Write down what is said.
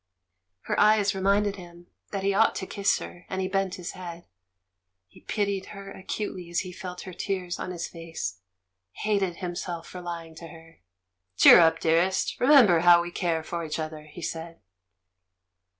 Her eyes reminded him that he ought DEAD VIOLETS 249 to kiss her, and he bent his head. ... He pitied her acutely as he felt her tears on his face — hated himself for lying to her. "Cheer up, dearest! Remember how we care for each other," he said.